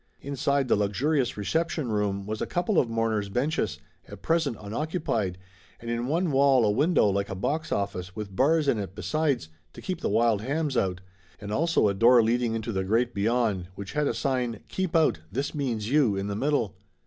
Inside the luxurious reception room was a couple of mourner's benches, at present unoccupied, and in one wall a window like a box office, with bars in it besides, to keep the wild hams out, and also a door leading into the Great Beyond, which had a sign, Keep Out This Means You, in the middle.